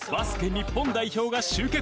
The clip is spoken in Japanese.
日本代表が集結。